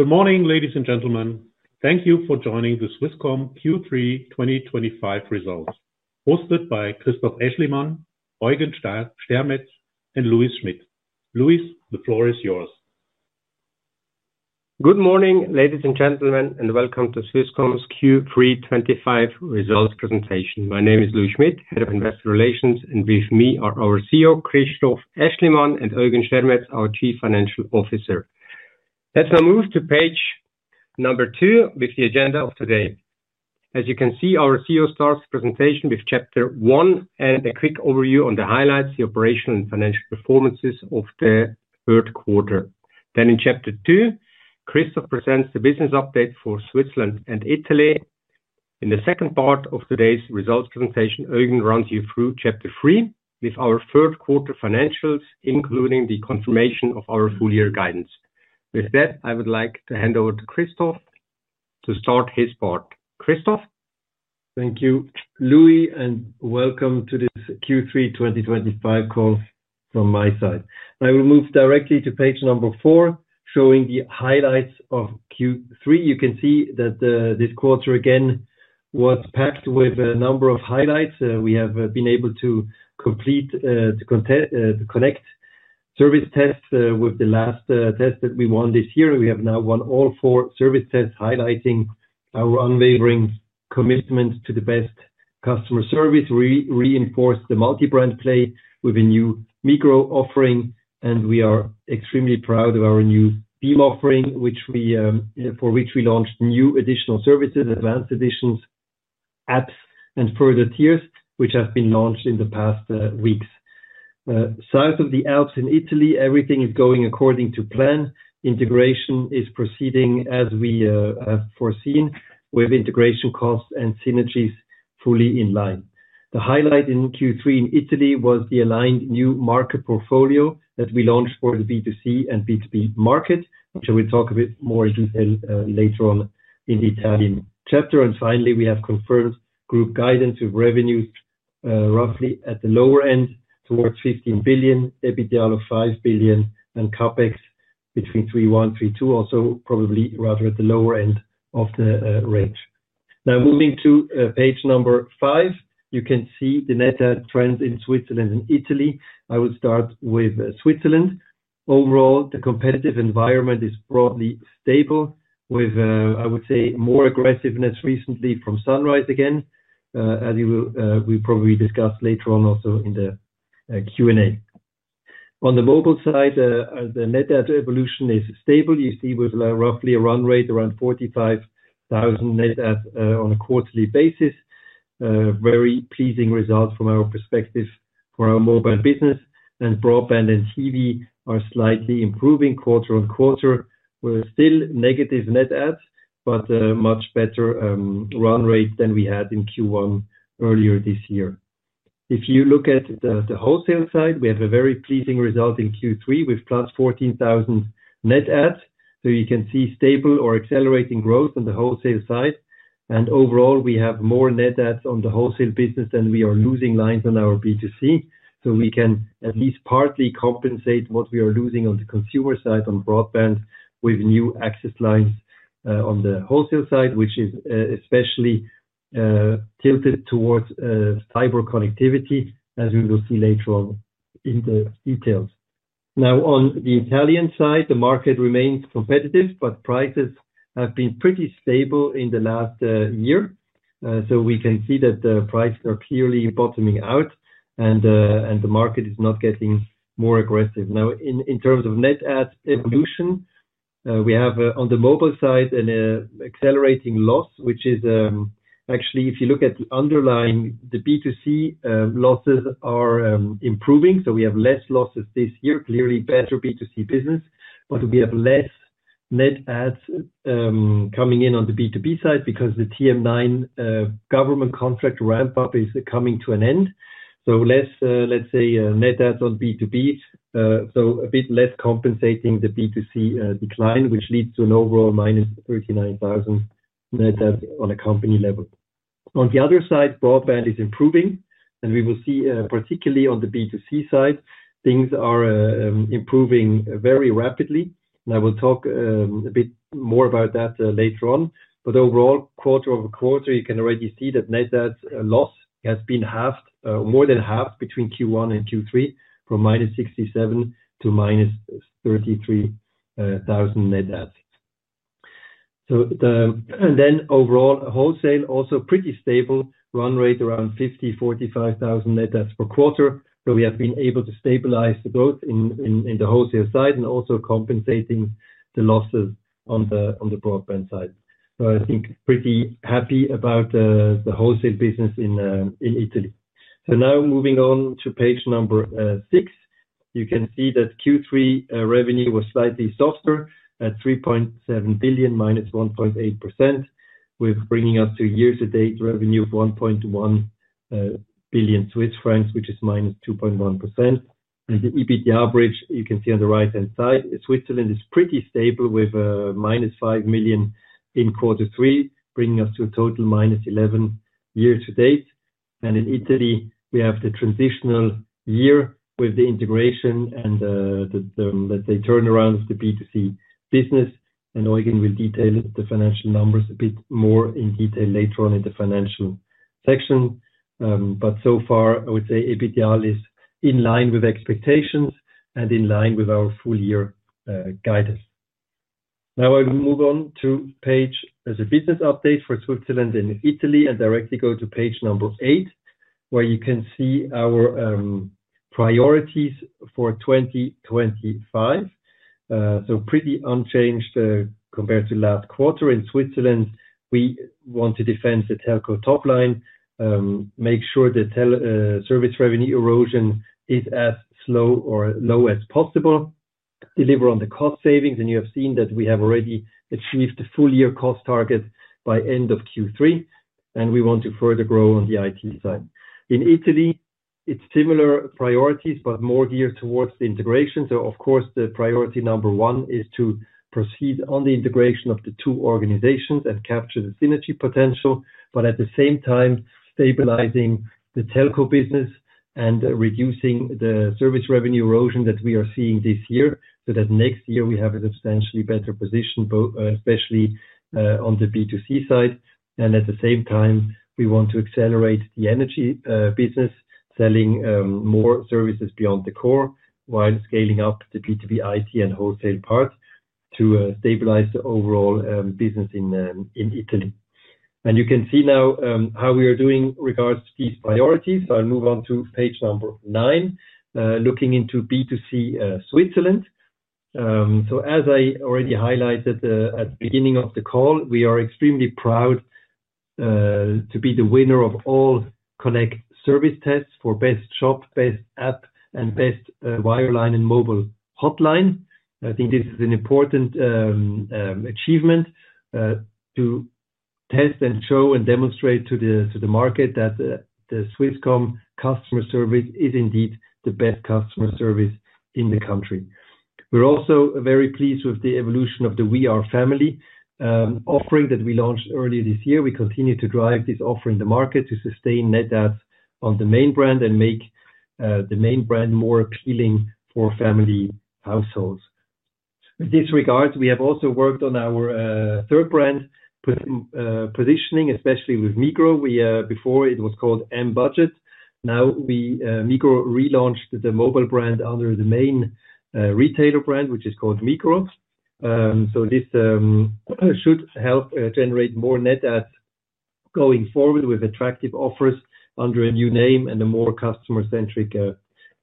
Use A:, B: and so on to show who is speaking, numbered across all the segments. A: Good morning, ladies and gentlemen. Thank you for joining the Swisscom Q3 2025 results, hosted by Christoph Aeschlimann, Eugen Stermetz, and Louis Schmid. Louis, the floor is yours.
B: Good morning, ladies and gentlemen, and welcome to Swisscom's Q3 2025 results presentation. My name is Louis Schmid, Head of Investor Relations, and with me are our CEO, Christoph Aeschlimann, and Eugen Stermetz, our Chief Financial Officer. Let's now move to page number two with the agenda of today. As you can see, our CEO starts the presentation with Chapter One and a quick overview on the highlights, the operational, and financial performances of the third quarter. Then, in Chapter Two, Christoph presents the business update for Switzerland and Italy. In the second part of today's results presentation, Eugen runs you through Chapter Three with our third quarter financials, including the confirmation of our full-year guidance. With that, I would like to hand over to Christoph to start his part. Christoph.
C: Thank you, Louis, and welcome to this Q3 2025 call from my side. I will move directly to page number four, showing the highlights of Q3. You can see that this quarter, again, was packed with a number of highlights. We have been able to complete the Connect Service tests with the last test that we won this year. We have now won all four service tests, highlighting our unwavering commitment to the best customer service, reinforced the multi-brand play with a new micro offering, and we are extremely proud of our new BEAM offering, for which we launched new additional services, advanced additions, apps, and further tiers, which have been launched in the past weeks. South of the Alps in Italy, everything is going according to plan. Integration is proceeding as we have foreseen, with integration costs and synergies fully in line. The highlight in Q3 in Italy was the aligned new market portfolio that we launched for the B2C and B2B market, which I will talk a bit more in detail later on in the Italian chapter. Finally, we have confirmed group guidance with revenues roughly at the lower end, towards 15 billion, EBITDA of 5 billion, and CapEx between 3.1 billion-3.2 billion, also probably rather at the lower end of the range. Now, moving to page number five, you can see the net trends in Switzerland and Italy. I will start with Switzerland. Overall, the competitive environment is broadly stable, with, I would say, more aggressiveness recently from Sunrise again, as we probably discussed later on also in the Q&A. On the mobile side, the net evolution is stable. You see roughly a run rate around 45,000 net adds on a quarterly basis. Very pleasing results from our perspective for our mobile business, and broadband and TV are slightly improving quarter on quarter. We're still negative net adds, but a much better run rate than we had in Q1 earlier this year. If you look at the wholesale side, we have a very pleasing result in Q3 with +14,000 net adds. You can see stable or accelerating growth on the wholesale side. Overall, we have more net adds on the wholesale business than we are losing lines on our B2C. We can at least partly compensate what we are losing on the consumer side on broadband with new access lines on the wholesale side, which is especially tilted towards fiber connectivity, as we will see later on in the details. Now, on the Italian side, the market remains competitive, but prices have been pretty stable in the last year. We can see that the prices are clearly bottoming out, and the market is not getting more aggressive. Now, in terms of net adds evolution, we have on the mobile side an accelerating loss, which is, actually, if you look at the underlying, the B2C losses are improving. We have less losses this year, clearly better B2C business, but we have less net adds coming in on the B2B side because the TM9 government contract ramp-up is coming to an end. Less, let's say, net adds on B2B, so a bit less compensating the B2C decline, which leads to an overall -39,000 net adds on a company level. On the other side, broadband is improving, and we will see, particularly on the B2C side, things are improving very rapidly. I will talk a bit more about that later on. Overall, quarter-over-quarter, you can already see that net adds loss has been halved, more than halved between Q1 and Q3, from -67,000 to -33,000 net adds. Overall, wholesale also pretty stable, run rate around 50,000-45,000 net adds per quarter. We have been able to stabilize the growth in the wholesale side and also compensating the losses on the broadband side. I think pretty happy about the wholesale business in Italy. Now moving on to page number six, you can see that Q3 revenue was slightly softer at 3.7 billion, -1.8%, bringing us to year-to-date revenue of 11.1 billion Swiss francs, which is -2.1%. The EBITDA average, you can see on the right-hand side, Switzerland is pretty stable with -5 million in quarter three, bringing us to a total -11 million year-to-date. In Italy, we have the transitional year with the integration and the, let's say, turnaround of the B2C business. Eugen will detail the financial numbers a bit more in detail later on in the financial section. So far, I would say EBITDA is in line with expectations and in line with our full-year guidance. Now I will move on to page as a business update for Switzerland and Italy and directly go to page number eight, where you can see our priorities for 2025. Pretty unchanged compared to last quarter. In Switzerland, we want to defend the telco top line, make sure the service revenue erosion is as slow or low as possible, deliver on the cost savings. You have seen that we have already achieved the full-year cost target by end of Q3, and we want to further grow on the IT side. In Italy, it's similar priorities, but more geared towards the integration. Of course, the priority number one is to proceed on the integration of the two organizations and capture the synergy potential, but at the same time, stabilizing the telco business and reducing the service revenue erosion that we are seeing this year so that next year we have a substantially better position, especially on the B2C side. At the same time, we want to accelerate the energy business, selling more services beyond the core while scaling up the B2B IT and wholesale part to stabilize the overall business in Italy. You can see now how we are doing regards to these priorities. I'll move on to page number nine, looking into B2C Switzerland. As I already highlighted at the beginning of the call, we are extremely proud. To be the winner of all Connect service tests for best shop, best app, and best wireline and mobile hotline. I think this is an important achievement. To test and show and demonstrate to the market that the Swisscom customer service is indeed the best customer service in the country. We're also very pleased with the evolution of the We Are Family offering that we launched earlier this year. We continue to drive this offer in the market to sustain net adds on the main brand and make the main brand more appealing for family households. With this regard, we have also worked on our third brand positioning, especially with Migros. Before, it was called M-Budget. Now, Migros relaunched the mobile brand under the main retailer brand, which is called Migros. So this should help generate more net adds going forward with attractive offers under a new name and a more customer-centric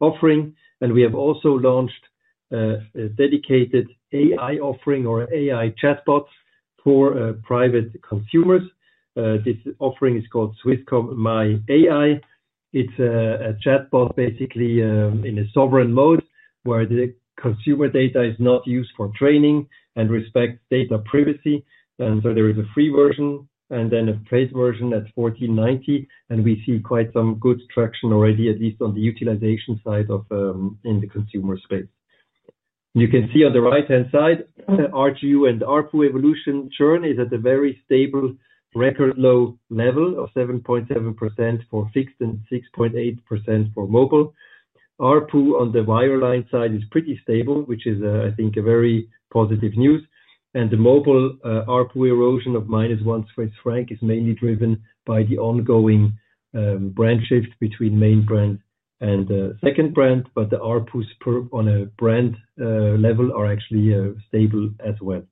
C: offering. We have also launched a dedicated AI offering or AI chatbots for private consumers. This offering is called Swisscom My AI. It's a chatbot, basically in a sovereign mode, where the consumer data is not used for training and respects data privacy. There is a free version and then a paid version at 14.90. We see quite some good traction already, at least on the utilization side in the consumer space. You can see on the right-hand side, RGU and ARPU evolution. Churn is at a very stable record low level of 7.7% for fixed and 6.8% for mobile. ARPU on the wireline side is pretty stable, which is, I think, very positive news. The mobile ARPU erosion of -1 Swiss franc is mainly driven by the ongoing brand shift between main brand and second brand, but the ARPUs on a brand level are actually stable as well.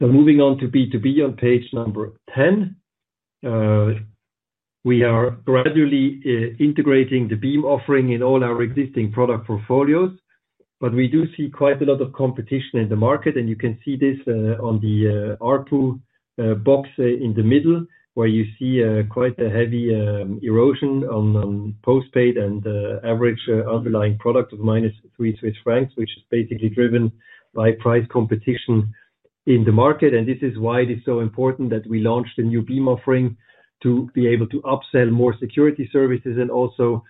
C: Moving on to B2B on page number 10. We are gradually integrating the BEAM offering in all our existing product portfolios, but we do see quite a lot of competition in the market. You can see this on the ARPU box in the middle, where you see quite a heavy erosion on postpaid and average underlying product of -3 Swiss francs, which is basically driven by price competition in the market. This is why it is so important that we launched a new BEAM offering to be able to upsell more security services and also.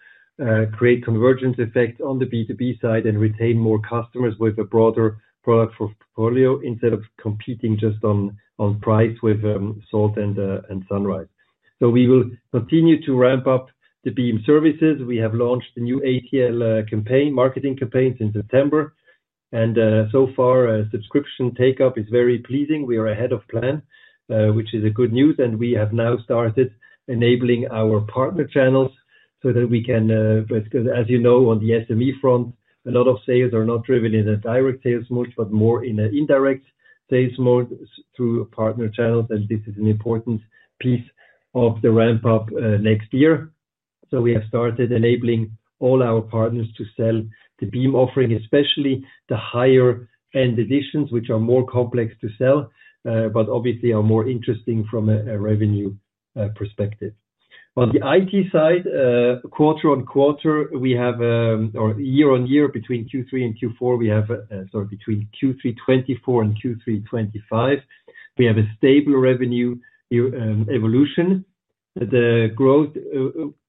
C: Create convergence effect on the B2B side and retain more customers with a broader product portfolio instead of competing just on price with Salt and Sunrise. We will continue to ramp up the BEAM Services. We have launched a new ATL marketing campaign in September. So far, subscription take-up is very pleasing. We are ahead of plan, which is good news. We have now started enabling our partner channels so that we can, as you know, on the SME front, a lot of sales are not driven in a direct sales mode, but more in an indirect sales mode through partner channels. This is an important piece of the ramp-up next year. We have started enabling all our partners to sell the BEAM offering, especially the higher-end editions, which are more complex to sell, but obviously are more interesting from a revenue perspective. On the IT side, quarter-on-quarter, we have, or year-on-year, between Q3 and Q4, we have, sorry, between Q3 2024 and Q3 2025, we have a stable revenue evolution. The growth,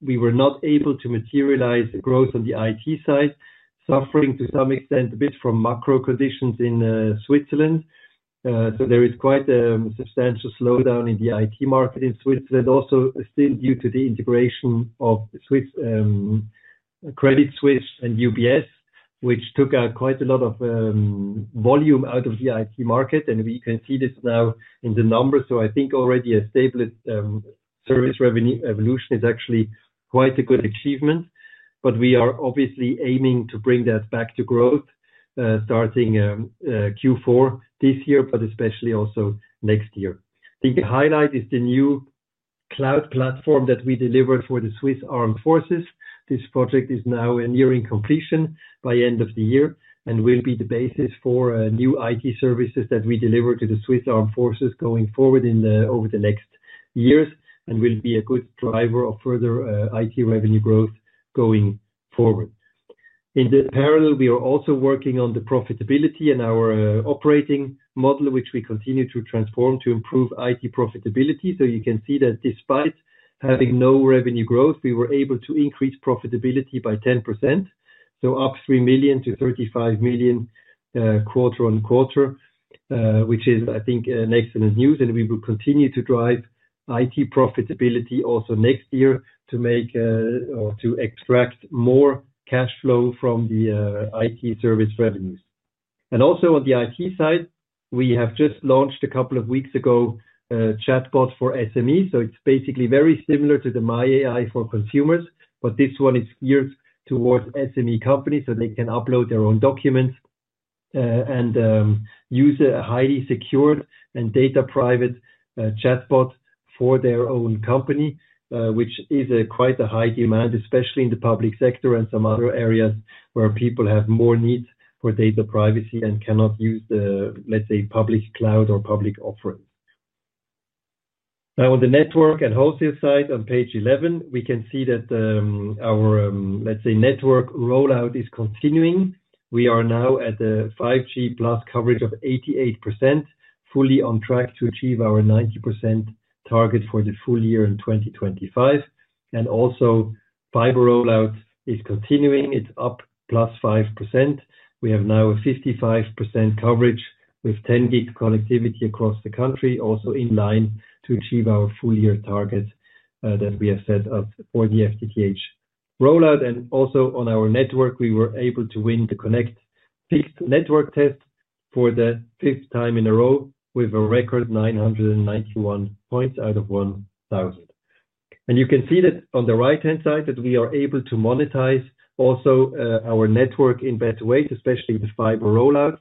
C: we were not able to materialize growth on the IT side, suffering to some extent a bit from macro conditions in Switzerland. There is quite a substantial slowdown in the IT market in Switzerland, also still due to the integration of Credit Suisse and UBS, which took quite a lot of volume out of the IT market. We can see this now in the numbers. I think already a stable service revenue evolution is actually quite a good achievement. We are obviously aiming to bring that back to growth starting Q4 this year, but especially also next year. I think the highlight is the new. Cloud platform that we delivered for the Swiss Armed Forces. This project is now nearing completion by end of the year and will be the basis for new IT services that we deliver to the Swiss Armed Forces going forward over the next years and will be a good driver of further IT revenue growth going forward. In parallel, we are also working on the profitability and our operating model, which we continue to transform to improve IT profitability. You can see that despite having no revenue growth, we were able to increase profitability by 10%, up 3 million-35 million quarter on quarter, which is, I think, excellent news. We will continue to drive IT profitability also next year to extract more cash flow from the IT service revenues. Also on the IT side, we have just launched a couple of weeks ago a chatbot for SME. It is basically very similar to the My AI for consumers, but this one is geared towards SME companies so they can upload their own documents and use a highly secured and data-private chatbot for their own company, which is quite a high demand, especially in the public sector and some other areas where people have more needs for data privacy and cannot use, let's say, public cloud or public offerings. Now, on the network and wholesale side, on page 11, we can see that our, let's say, network rollout is continuing. We are now at a 5G+ coverage of 88%, fully on track to achieve our 90% target for the full year in 2025. Also, fiber rollout is continuing. It is up +5%. We have now a 55% coverage with 10 Gb connectivity across the country, also in line to achieve our full-year target that we have set up for the FTTH rollout. Also on our network, we were able to win the Connect fixed network test for the fifth time in a row with a record 991 points out of 1,000. You can see that on the right-hand side that we are able to monetize also our network in better ways, especially with fiber rollout.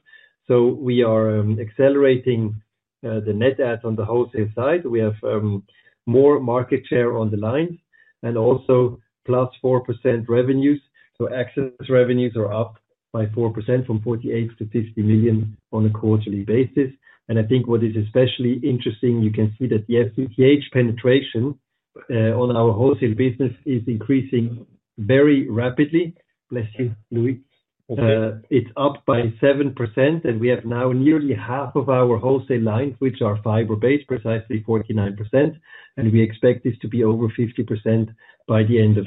C: We are accelerating. The net adds on the wholesale side. We have more market share on the lines and also +4% revenues. Access revenues are up by 4% from 48 million-50 million on a quarterly basis. I think what is especially interesting, you can see that the FTTH penetration on our wholesale business is increasing very rapidly. Bless you, Louis. It's up by 7%, and we have now nearly half of our wholesale lines, which are fiber-based, precisely 49%. We expect this to be over 50% by the end of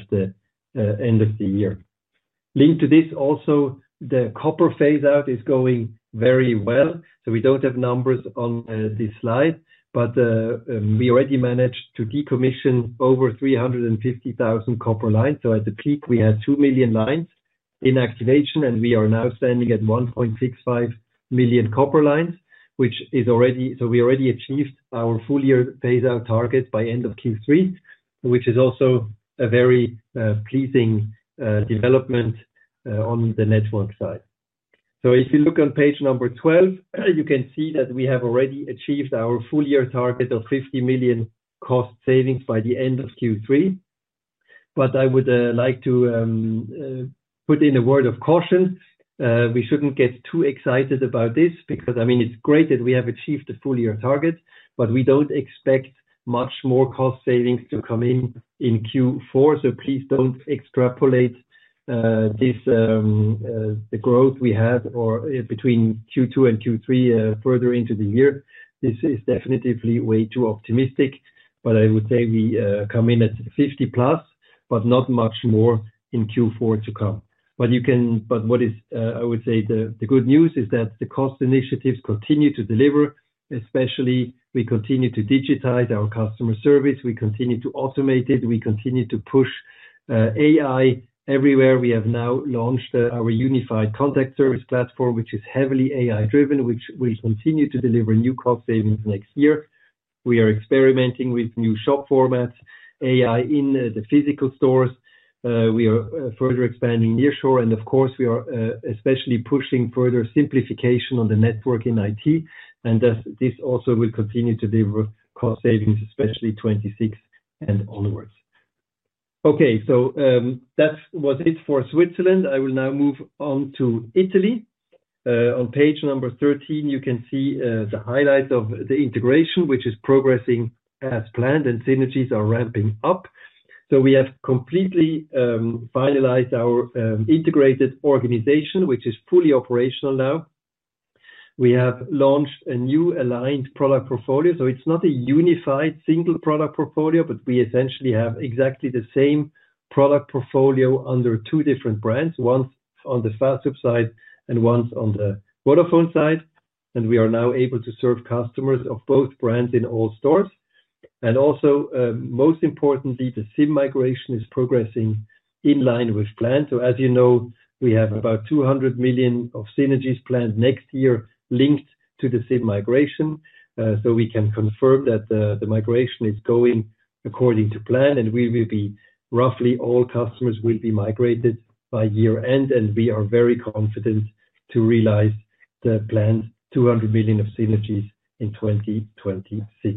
C: the year. Linked to this also, the copper phase-out is going very well. We do not have numbers on this slide, but we already managed to decommission over 350,000 copper lines. At the peak, we had 2 million lines in activation, and we are now standing at 1.65 million copper lines, which is already, so we already achieved our full-year phase-out target by end of Q3, which is also a very pleasing development. On the network side, if you look on page number 12, you can see that we have already achieved our full-year target of 50 million cost savings by the end of Q3. I would like to put in a word of caution. We shouldn't get too excited about this because, I mean, it's great that we have achieved the full-year target, but we don't expect much more cost savings to come in in Q4. Please don't extrapolate the growth we have between Q2 and Q3 further into the year. This is definitely way too optimistic. I would say we come in at 50+, but not much more in Q4 to come. What is, I would say, the good news is that the cost initiatives continue to deliver, especially we continue to digitize our customer service. We continue to automate it. We continue to push AI everywhere. We have now launched our unified contact service platform, which is heavily AI-driven, which will continue to deliver new cost savings next year. We are experimenting with new shop formats, AI in the physical stores. We are further expanding nearshore. Of course, we are especially pushing further simplification on the network in IT. This also will continue to deliver cost savings, especially 2026 and onwards. Okay, that was it for Switzerland. I will now move on to Italy. On page number 13, you can see the highlights of the integration, which is progressing as planned, and synergies are ramping up. We have completely finalized our integrated organization, which is fully operational now. We have launched a new aligned product portfolio. It is not a unified single product portfolio, but we essentially have exactly the same product portfolio under two different brands, once on the Fastweb side and once on the Vodafone side. We are now able to serve customers of both brands in all stores. Also, most importantly, the SIM migration is progressing in line with plan. As you know, we have about 200 million of synergies planned next year linked to the SIM migration. We can confirm that the migration is going according to plan, and roughly all customers will be migrated by year-end. We are very confident to realize the planned 200 million of synergies in 2026.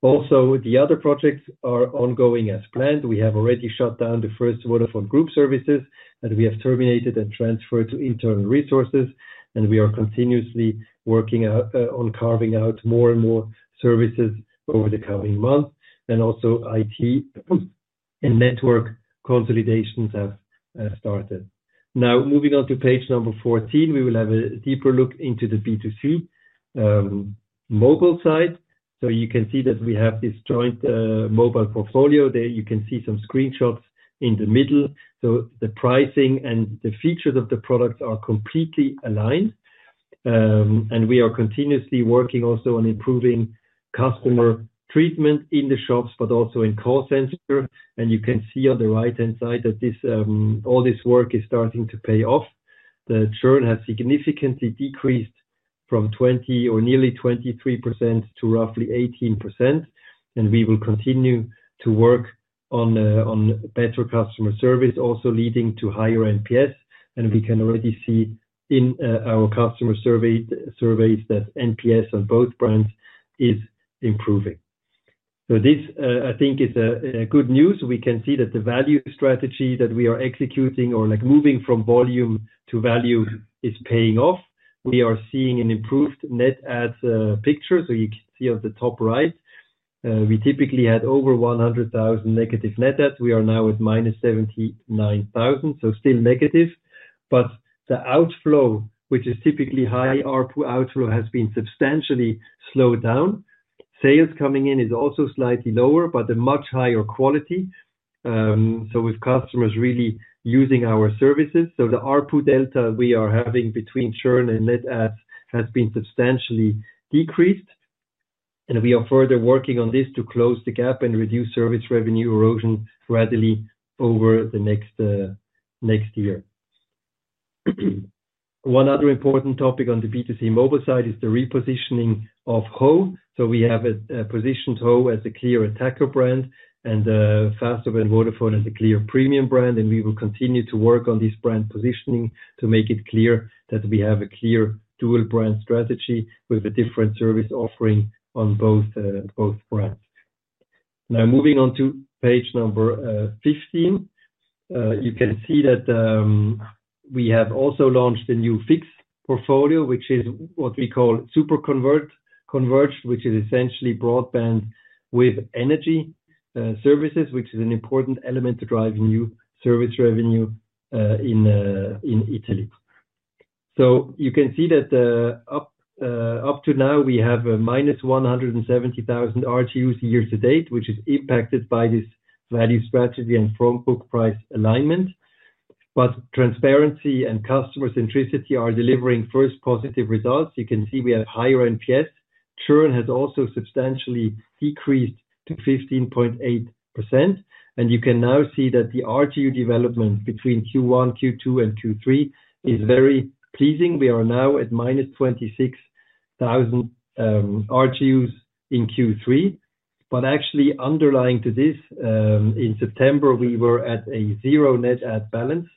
C: Also, the other projects are ongoing as planned. We have already shut down the first waterfront group services, and we have terminated and transferred to internal resources. We are continuously working on carving out more and more services over the coming months. Also, IT and network consolidations have started. Now, moving on to page number 14, we will have a deeper look into the B2C mobile side. You can see that we have this joint mobile portfolio. You can see some screenshots in the middle. The pricing and the features of the products are completely aligned. We are continuously working also on improving customer treatment in the shops, but also in call center. You can see on the right-hand side that all this work is starting to pay off. The churn has significantly decreased from 20% or nearly 23% to roughly 18%. We will continue to work on better customer service, also leading to higher NPS. We can already see in our customer surveys that NPS on both brands is improving. I think this is good news. We can see that the value strategy that we are executing or moving from volume to value is paying off. We are seeing an improved net adds picture. You can see on the top right. We typically had over 100,000 negative net adds. We are now at -79,000, so still negative. The outflow, which is typically high, our outflow has been substantially slowed down. Sales coming in is also slightly lower, but a much higher quality, with customers really using our services. The ARPU delta we are having between churn and net adds has been substantially decreased. We are further working on this to close the gap and reduce service revenue erosion readily over the next year. One other important topic on the B2C mobile side is the repositioning of HO Mobile. We have positioned HO Mobile as a clear attacker brand and Fastweb as a clear premium brand. We will continue to work on this brand positioning to make it clear that we have a clear dual-brand strategy with a different service offering on both brands. Now, moving on to page number 15. You can see that. We have also launched a new fixed portfolio, which is what we call Super Converged, which is essentially broadband with energy services, which is an important element to drive new service revenue in Italy. You can see that up to now, we have -170,000 RGUs year to date, which is impacted by this value strategy and front-book price alignment. Transparency and customer centricity are delivering first positive results. You can see we have higher NPS. Churn has also substantially decreased to 15.8%. You can now see that the RGU development between Q1, Q2, and Q3 is very pleasing. We are now at -26,000 RGUs in Q3. Actually, underlying to this, in September, we were at a zero net add balance.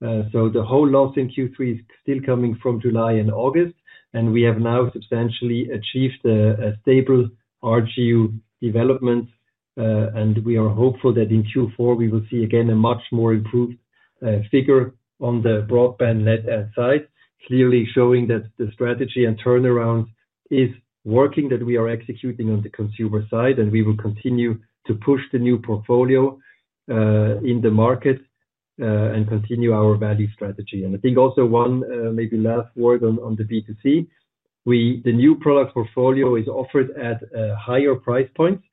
C: The whole loss in Q3 is still coming from July and August. We have now substantially achieved a stable RGU development. We are hopeful that in Q4, we will see again a much more improved figure on the broadband net add side, clearly showing that the strategy and turnaround is working, that we are executing on the consumer side, and we will continue to push the new portfolio in the market and continue our value strategy. I think also one maybe last word on the B2C. The new product portfolio is offered at higher price points.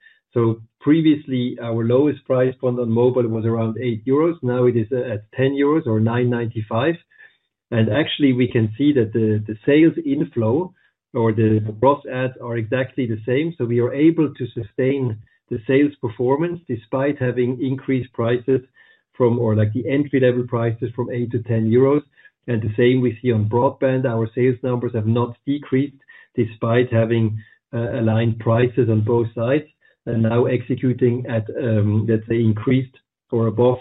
C: Previously, our lowest price point on mobile was around 8 euros. Now it is at 10 euros or 9.95. Actually, we can see that the sales inflow or the cross-adds are exactly the same. We are able to sustain the sales performance despite having increased prices from, or like the entry-level prices from 8-10 euros. The same we see on broadband. Our sales numbers have not decreased despite having aligned prices on both sides and now executing at, let's say, increased or above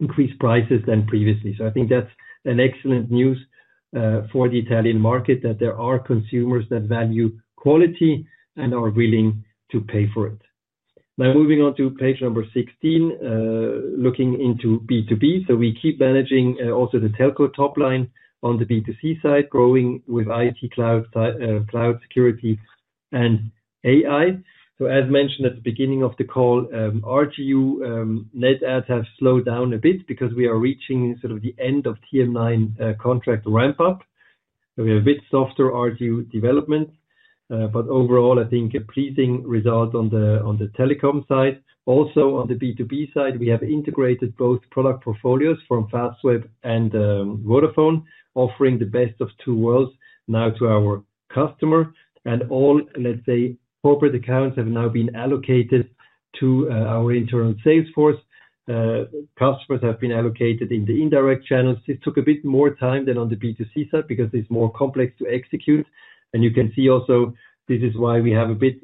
C: increased prices than previously. I think that's excellent news for the Italian market that there are consumers that value quality and are willing to pay for it. Now, moving on to page number 16. Looking into B2B. We keep managing also the telco top line on the B2C side, growing with IoT, cloud, cloud security, and AI. As mentioned at the beginning of the call, RGU net adds have slowed down a bit because we are reaching sort of the end of TM9 contract ramp-up. We have a bit softer RGU development. Overall, I think a pleasing result on the telecom side. Also, on the B2B side, we have integrated both product portfolios from Fastweb and Vodafone, offering the best of two worlds now to our customer. All, let's say, corporate accounts have now been allocated to our internal sales force. Customers have been allocated in the indirect channels. This took a bit more time than on the B2C side because it is more complex to execute. You can see also this is why we have a bit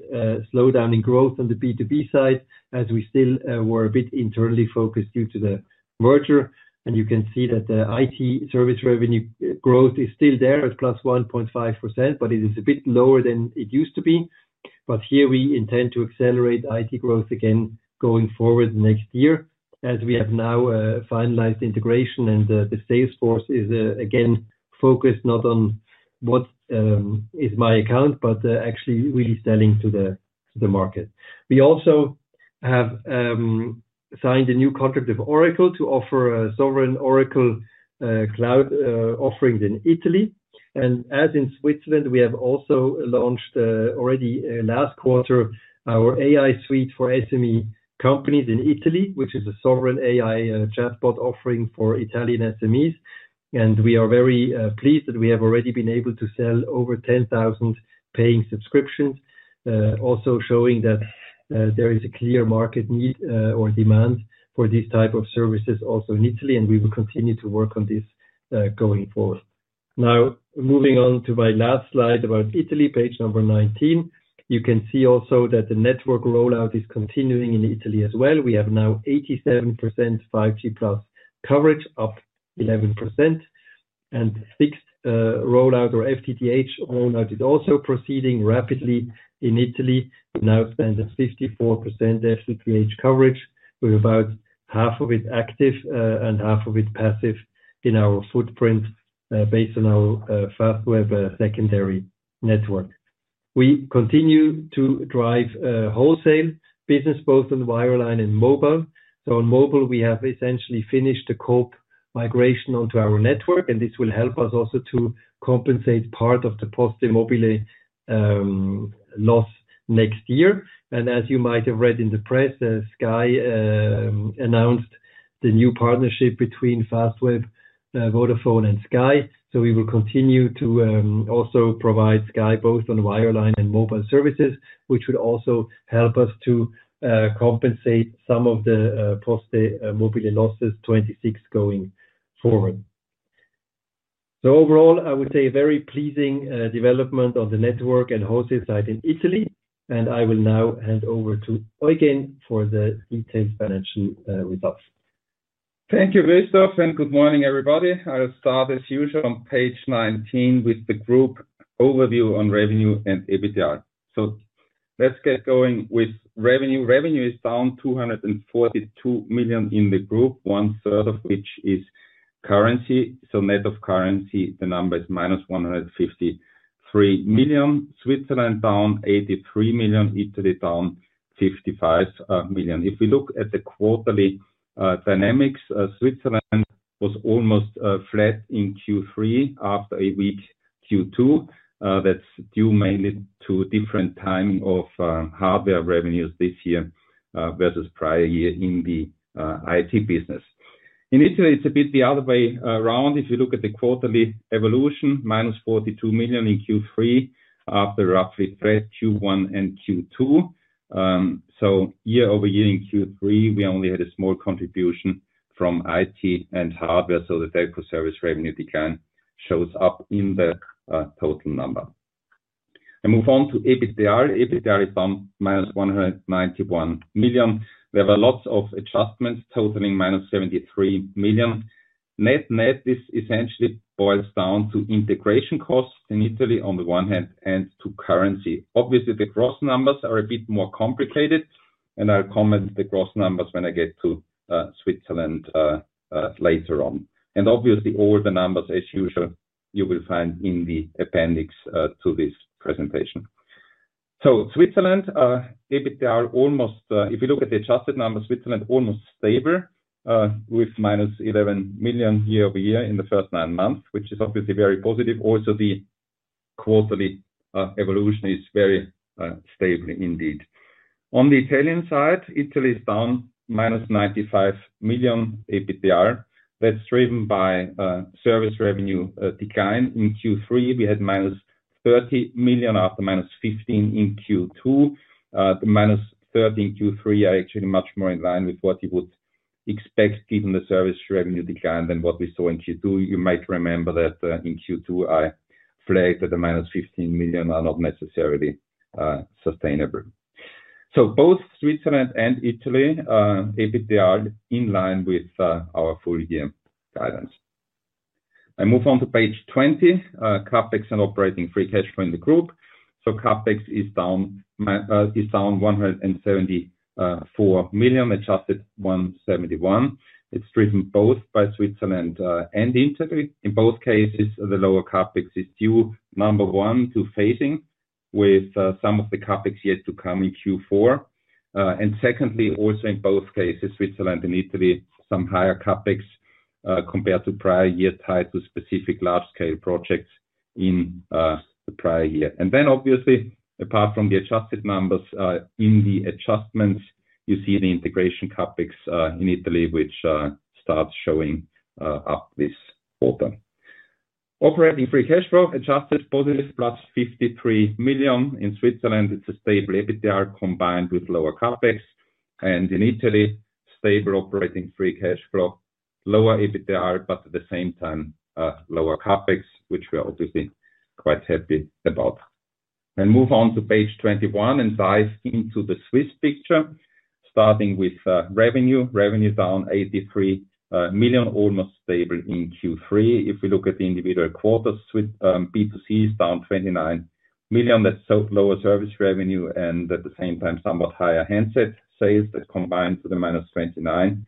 C: slowdown in growth on the B2B side, as we still were a bit internally focused due to the merger. You can see that the IT service revenue growth is still there at +1.5%, but it is a bit lower than it used to be. Here, we intend to accelerate IT growth again going forward next year, as we have now finalized integration. The sales force is again focused not on what is my account, but actually really selling to the market. We also have signed a new contract with Oracle to offer a sovereign Oracle cloud offering in Italy. As in Switzerland, we have also launched already last quarter our AI Suite for SME companies in Italy, which is a sovereign AI chatbot offering for Italian SMEs. We are very pleased that we have already been able to sell over 10,000 paying subscriptions, also showing that there is a clear market need or demand for this type of services also in Italy. We will continue to work on this going forward. Now, moving on to my last slide about Italy, page number 19, you can see also that the network rollout is continuing in Italy as well. We have now 87% 5G+ coverage, up 11%. Fixed rollout or FTTH rollout is also proceeding rapidly in Italy. We now stand at 54% FTTH coverage, with about half of it active and half of it passive in our footprint based on our Fastweb secondary network. We continue to drive wholesale business both on the wireline and mobile. On mobile, we have essentially finished the COP migration onto our network, and this will help us also to compensate part of the post-immobile loss next year. As you might have read in the press, Sky announced the new partnership between Fastweb, Waterfall, and Sky. We will continue to also provide Sky both on wireline and mobile services, which would also help us to compensate some of the post-immobile losses 2026 going forward. Overall, I would say a very pleasing development on the network and wholesale side in Italy. I will now hand over to Eugen for the detailed financial results.
D: Thank you, Christoph, and good morning, everybody. I'll start, as usual, on page 19 with the group overview on revenue and EBITDA. Let's get going with revenue. Revenue is down 242 million in the group, one third of which is currency. Net of currency, the number is -153 million. Switzerland down 83 million. Italy down 55 million. If we look at the quarterly dynamics, Switzerland was almost flat in Q3 after a weak Q2. That is due mainly to different timing of hardware revenues this year versus prior year in the IT business. In Italy, it is a bit the other way around. If you look at the quarterly evolution,-EUR 42 million in Q3 after roughly flat Q1 and Q2. Year-over-year in Q3, we only had a small contribution from IT and hardware. The telco service revenue decline shows up in the total number. I move on to EBITDA. EBITDA is down 191 million. There were lots of adjustments totaling 73 million. Net net, this essentially boils down to integration costs in Italy on the one hand and to currency. Obviously, the gross numbers are a bit more complicated, and I'll comment on the gross numbers when I get to Switzerland later on. Obviously, all the numbers, as usual, you will find in the appendix to this presentation. Switzerland, EBITDA almost, if you look at the adjusted number, Switzerland almost stable, with 11 million year-over-year in the first nine months, which is obviously very positive. Also, the quarterly evolution is very stable indeed. On the Italian side, Italy is down 95 million EBITDA. That's driven by service revenue decline in Q3. We had -30 million after -15 million in Q2. The -30 million in Q3 are actually much more in line with what you would expect given the service revenue decline than what we saw in Q2. You might remember that in Q2, I flagged that the -15 million are not necessarily sustainable. Both Switzerland and Italy EBITDA are in line with our full-year guidance. I move on to page 20, CapEx and operating free cash flow in the group. CapEx is down 174 million, adjusted 171 million. It is driven both by Switzerland and Italy. In both cases, the lower CapEx is due, number one, to phasing, with some of the CapEx yet to come in Q4. Secondly, also in both cases, Switzerland and Italy, some higher CapEx compared to prior year tied to specific large-scale projects in the prior year. Obviously, apart from the adjusted numbers in the adjustments, you see the integration CapEx in Italy, which starts showing up this quarter. Operating free cash flow, adjusted positive, +53 million in Switzerland. It is a stable EBITDA combined with lower CapEx. In Italy, stable operating free cash flow, lower EBITDA, but at the same time, lower CapEx, which we are obviously quite happy about. I move on to page 21 and dive into the Swiss picture, starting with revenue. Revenue is down 83 million, almost stable in Q3. If we look at the individual quarters, B2C is down 29 million. That is lower service revenue and at the same time, somewhat higher handset sales that combined to the -29 million.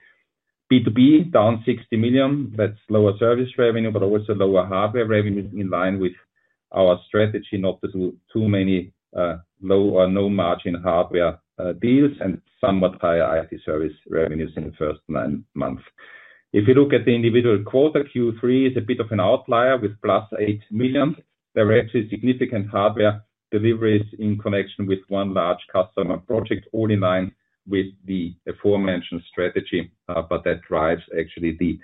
D: B2B is down 60 million. That is lower service revenue, but also lower hardware revenue in line with our strategy, not too many. Low or no margin hardware deals and somewhat higher IT service revenues in the first nine months. If you look at the individual quarter, Q3 is a bit of an outlier with +8 million. There are actually significant hardware deliveries in connection with one large customer project, all in line with the aforementioned strategy. That drives actually the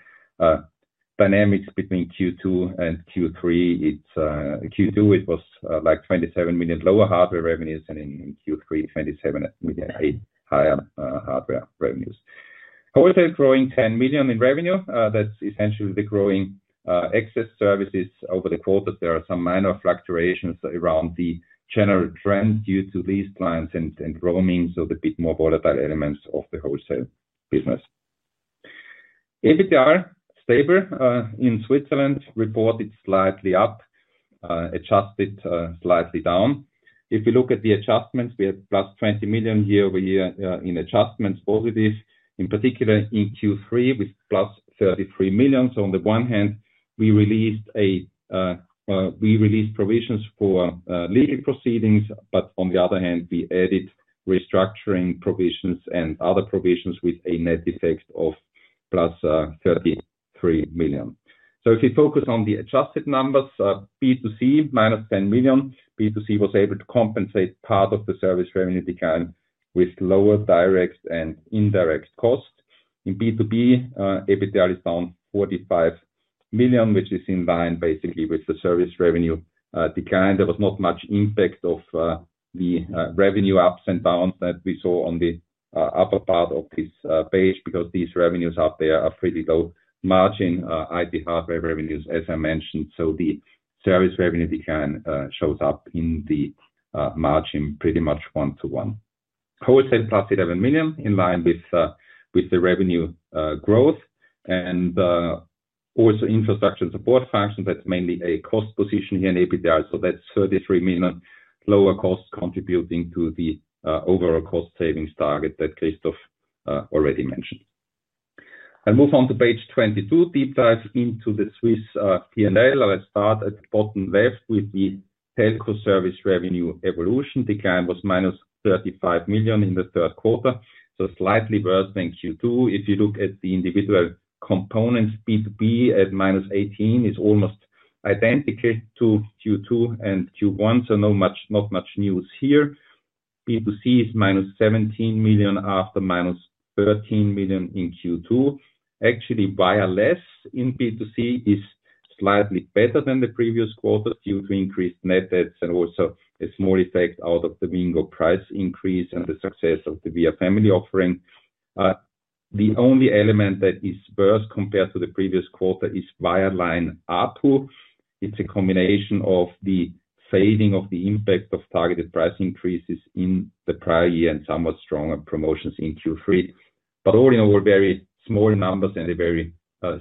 D: dynamics between Q2 and Q3. Q2, it was like 27 million lower hardware revenues, and in Q3, 27 million higher hardware revenues. Wholesale is growing 10 million in revenue. That is essentially the growing excess services over the quarter. There are some minor fluctuations around the general trend due to lease plans and roaming, the bit more volatile elements of the wholesale business. EBITDA is stable in Switzerland. Reported slightly up. Adjusted slightly down. If we look at the adjustments, we have +20 million year-over-year in adjustments, positive, in particular in Q3 with +33 million. On the one hand, we released provisions for legal proceedings, but on the other hand, we added restructuring provisions and other provisions with a net effect of +33 million. If we focus on the adjusted numbers, B2C -10 million. B2C was able to compensate part of the service revenue decline with lower direct and indirect costs. In B2B, EBITDA is down 45 million, which is in line basically with the service revenue decline. There was not much impact of the revenue ups and downs that we saw on the upper part of this page because these revenues up there are pretty low margin IT hardware revenues, as I mentioned. The service revenue decline shows up in the. Margin pretty much one-to-one. Wholesale +11 million in line with the revenue growth. Also, infrastructure support functions, that's mainly a cost position here in EBITDA. That's 33 million lower cost contributing to the overall cost savings target that Christoph already mentioned. I move on to page 22, deep dive into the Swiss P&L. I'll start at the bottom left with the telco service revenue evolution. Decline was -35 million in the third quarter, so slightly worse than Q2. If you look at the individual components, B2B at -18 million is almost identical to Q2 and Q1, so not much news here. B2C is -17 million after -13 million in Q2. Actually, Wireless in B2C is slightly better than the previous quarter due to increased net adds and also a small effect out of the Bingo price increase and the success of the We Are Family offering. The only element that is worse compared to the previous quarter is Wireline ARPU. It's a combination of the fading of the impact of targeted price increases in the prior year and somewhat stronger promotions in Q3. All in all, very small numbers and a very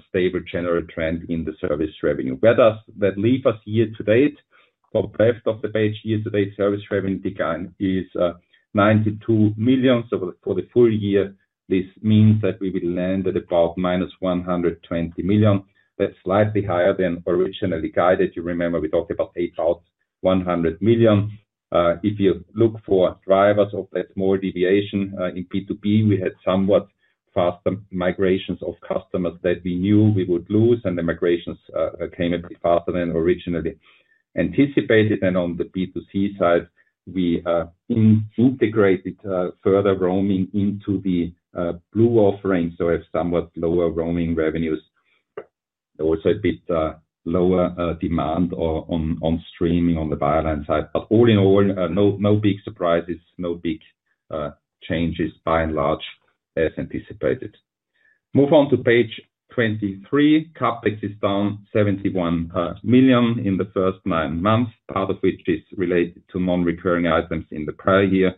D: stable general trend in the service revenue. Where does that leave us year-to-date? Top left of the page, year-to-date service revenue decline is 92 million. For the full year, this means that we will land at about -120 million. That's slightly higher than originally guided. You remember we talked about 8,100 million. If you look for drivers of that small deviation in B2B, we had somewhat faster migrations of customers that we knew we would lose, and the migrations came in faster than originally anticipated. On the B2C side, we. Integrated further roaming into the blue offering, so we have somewhat lower roaming revenues. Also a bit lower demand on streaming on the wireline side. All in all, no big surprises, no big changes by and large as anticipated. Move on to page 23. CapEx is down 71 million in the first nine months, part of which is related to non-recurring items in the prior year.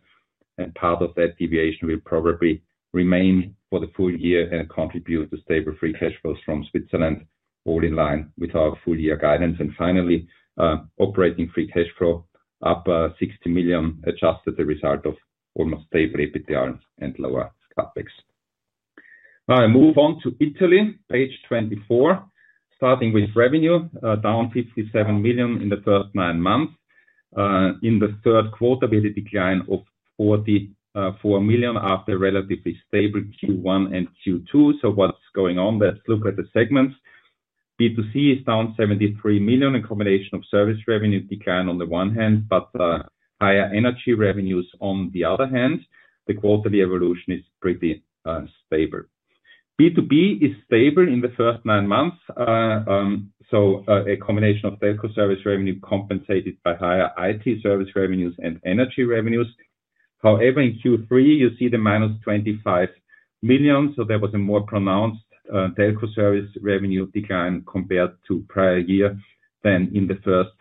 D: Part of that deviation will probably remain for the full year and contribute to stable free cash flows from Switzerland, all in line with our full-year guidance. Finally, operating free cash flow up 60 million adjusted as a result of almost stable EBITDA and lower CapEx. I move on to Italy, page 24, starting with revenue down 57 million in the first nine months. In the third quarter, we had a decline of 44 million after relatively stable Q1 and Q2. What's going on? Let's look at the segments. B2C is down 73 million in combination of service revenue decline on the one hand, but higher energy revenues on the other hand. The quarterly evolution is pretty stable. B2B is stable in the first nine months. So a combination of telco service revenue compensated by higher IT service revenues and energy revenues. However, in Q3, you see the -25 million. There was a more pronounced telco service revenue decline compared to prior year than in the first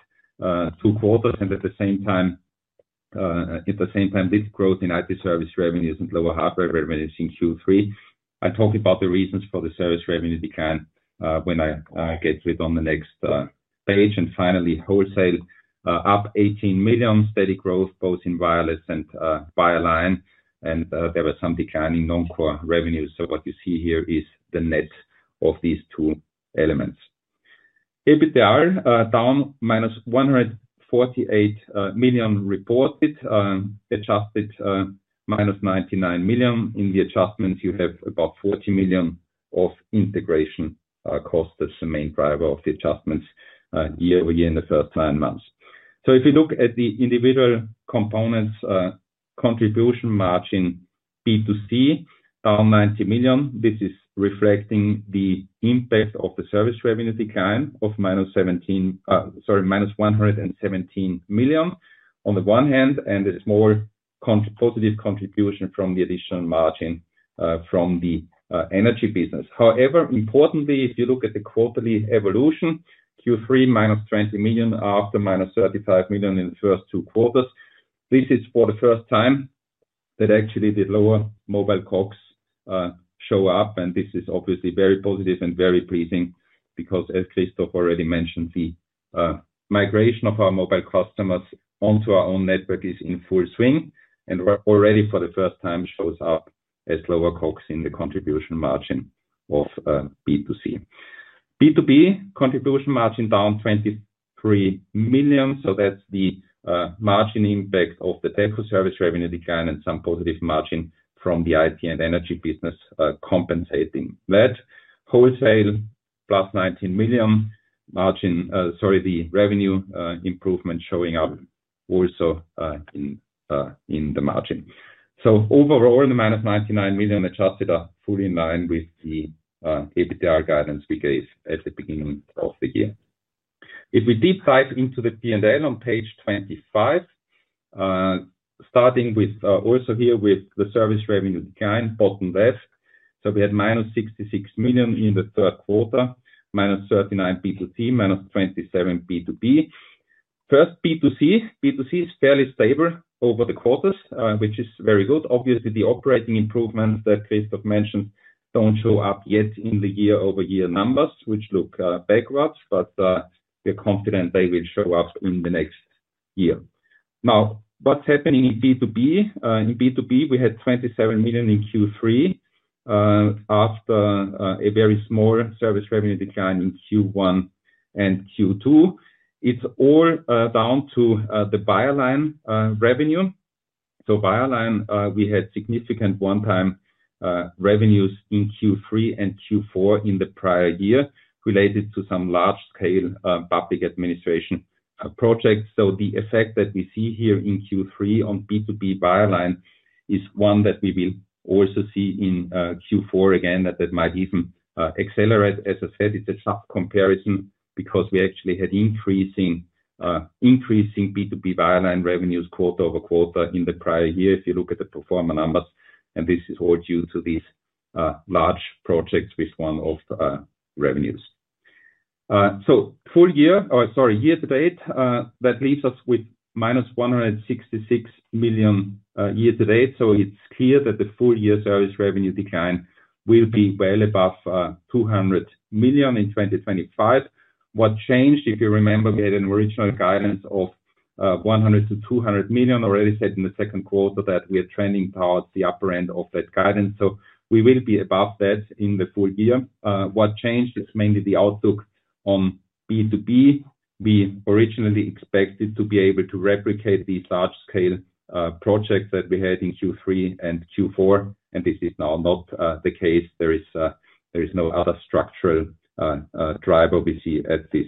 D: two quarters. At the same time, this growth in IT service revenues and lower hardware revenues in Q3. I talk about the reasons for the service revenue decline when I get to it on the next page. Finally, wholesale up 18 million, steady growth both in wireless and wireline. There was some decline in non-core revenue. What you see here is the net of these two elements. EBITDA down 148 million reported, adjusted 99 million. In the adjustments, you have about 40 million of integration cost. That is the main driver of the adjustments year-over-year in the first nine months. If you look at the individual components, contribution margin B2C down 90 million, this is reflecting the impact of the service revenue decline of 117 million on the one hand, and there is more positive contribution from the additional margin from the energy business. However, importantly, if you look at the quarterly evolution, Q3 20 million after 35 million in the first two quarters, this is for the first time that actually the lower mobile COGS show up. This is obviously very positive and very pleasing because, as Christoph already mentioned, the migration of our mobile customers onto our own network is in full swing. Already for the first time, it shows up as lower COGS in the contribution margin of B2C. B2B contribution margin down 23 million. That is the margin impact of the telco service revenue decline and some positive margin from the IT and energy business compensating that. Wholesale +19 million margin, sorry, the revenue improvement showing up also in the margin. Overall, the -99 million adjusted are fully in line with the EBITDA guidance we gave at the beginning of the year. If we deep dive into the P&L on page 25, starting also here with the service revenue decline, bottom left. We had -66 million in the third quarter, -39 million B2C, -27 million B2B. First, B2C is fairly stable over the quarters, which is very good. Obviously, the operating improvements that Christoph mentioned do not show up yet in the year-over-year numbers, which look backwards, but we are confident they will show up in the next year. Now, what is happening in B2B? In B2B, we had 27 million in Q3 after a very small service revenue decline in Q1 and Q2. It is all down to the wireline revenue. So, wireline, we had significant one-time revenues in Q3 and Q4 in the prior year related to some large-scale public administration projects. The effect that we see here in Q3 on B2B wireline is one that we will also see in Q4 again, and that might even accelerate. As I said, it is a tough comparison because we actually had increasing B2B wireline revenues quarter-over-quarter in the prior year. If you look at the pro forma numbers, and this is all due to these large projects with one-off revenues. For the year-to-date, that leaves us with -166 million year-to-date. It is clear that the full-year service revenue decline will be well above 200 million in 2025. What changed, if you remember, we had an original guidance of 100 million-CHF200 million. We already said in the second quarter that we are trending towards the upper end of that guidance. We will be above that in the full year. What changed is mainly the outlook on B2B. We originally expected to be able to replicate these large-scale projects that we had in Q3 and Q4, and this is now not the case. There is no other structural driver we see at this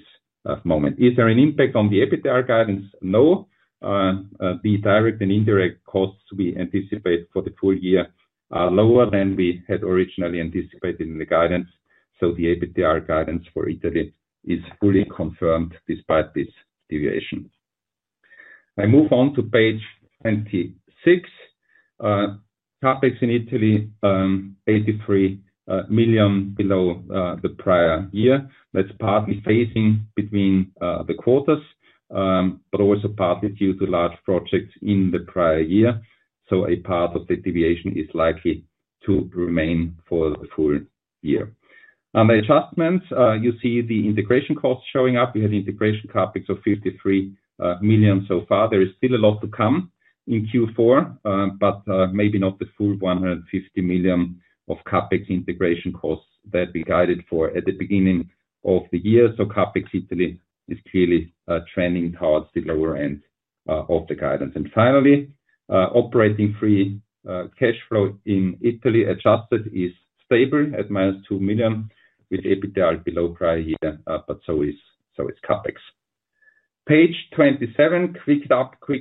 D: moment. Is there an impact on the EBITDA guidance? No. The direct and indirect costs we anticipate for the full year are lower than we had originally anticipated in the guidance. The EBITDA guidance for Italy is fully confirmed despite this deviation. I move on to page 26. Topics in Italy. 83 million below the prior year. That is partly phasing between the quarters, but also partly due to large projects in the prior year. A part of the deviation is likely to remain for the full year. On the adjustments, you see the integration costs showing up. We had integration CapEx of 53 million so far. There is still a lot to come in Q4, but maybe not the full 150 million of CapEx integration costs that we guided for at the beginning of the year. CapEx Italy is clearly trending towards the lower end of the guidance. And finally operating free cash flow in Italy adjusted is stable at -2 million with EBITDA below prior year, but so is CapEx. Page 27, quick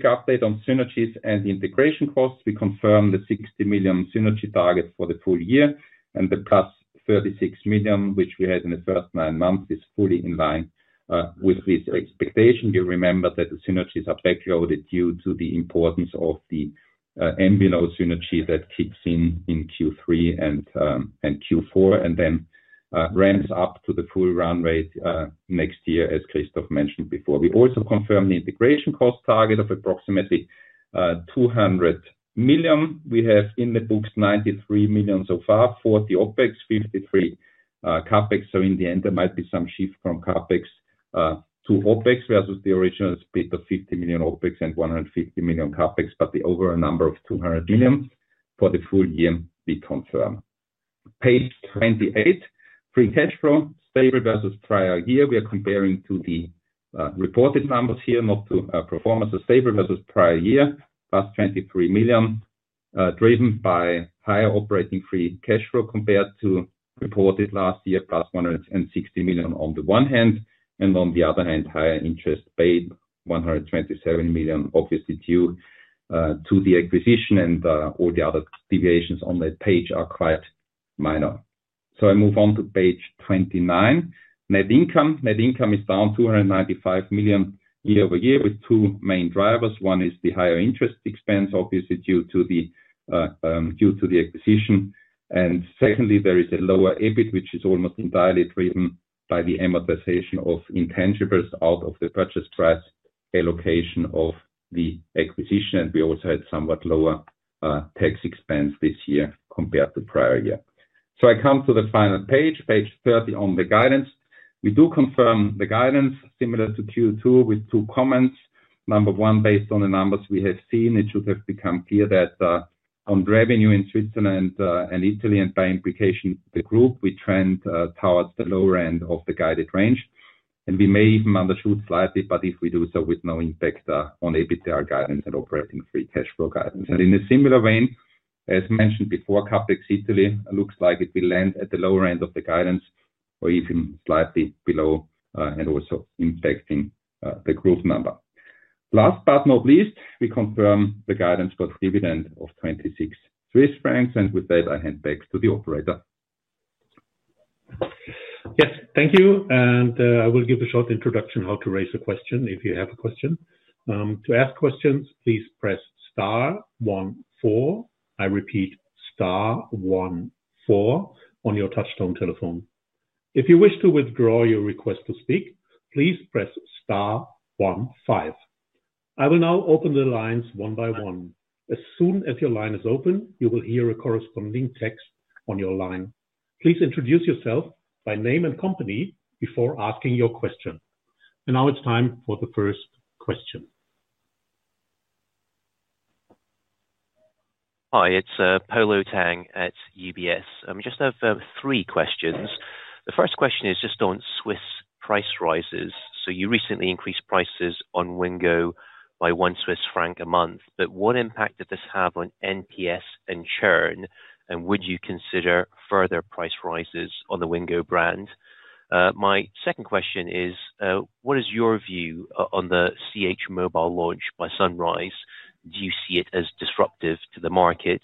D: update on synergies and integration costs. We confirm the 60 million synergy target for the full year, and the +36 million, which we had in the first nine months, is fully in line with this expectation. You remember that the synergies are backloaded due to the importance of the envelope synergy that kicks in in Q3 and Q4, and then ramps up to the full run rate next year, as Christoph mentioned before. We also confirm the integration cost target of approximately 200 million. We have in the books 93 million so far for the OpEx, 53 CapEx. So in the end, there might be some shift from CapEx. To OpEx versus the original split of 50 million OpEx and 150 million CapEx, but the overall number of 200 million for the full year, we confirm. Page 28, free cash flow, stable versus prior year. We are comparing to the reported numbers here, not to performance, stable versus prior year, +23 million. Driven by higher operating free cash flow compared to reported last year, +160 million on the one hand, and on the other hand, higher interest paid, 127 million, obviously due to the acquisition, and all the other deviations on that page are quite minor. I move on to page 29. Net income. Net income is down 295 million year-over-year with two main drivers. One is the higher interest expense, obviously due to the acquisition. Secondly, there is a lower EBIT, which is almost entirely driven by the amortization of intangibles out of the purchase price allocation of the acquisition. We also had somewhat lower tax expense this year compared to prior year. I come to the final page, page 30 on the guidance. We do confirm the guidance similar to Q2 with two comments. Number one, based on the numbers we have seen, it should have become clear that on revenue in Switzerland and Italy, and by implication, the group, we trend towards the lower end of the guided range. We may even undershoot slightly, but if we do so with no impact on EBITDA guidance and operating free cash flow guidance. In a similar vein, as mentioned before, CapEx Italy looks like it will land at the lower end of the guidance or even slightly below and also impacting the group number. Last but not least, we confirm the guidance for dividend of 26 Swiss francs, and with that, I hand back to the operator.
A: Yes, thank you. I will give a short introduction how to raise a question if you have a question. To ask questions, please press star one four. I repeat, star one four on your touchstone telephone. If you wish to withdraw your request to speak, please press star one five. I will now open the lines one by one. As soon as your line is open, you will hear a corresponding text on your line. Please introduce yourself by name and company before asking your question. Now it is time for the first question.
E: Hi, it's Paulo Tang at UBS. I just have three questions. The first question is just on Swiss price rises. You recently increased prices on Wingo by 1 Swiss franc a month, but what impact did this have on NPS and churn? Would you consider further price rises on the Wingo brand? My second question is, what is your view on the CH Mobile launch by Sunrise? Do you see it as disruptive to the market?